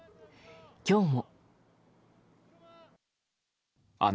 今日も。